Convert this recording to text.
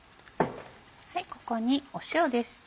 ここに塩です。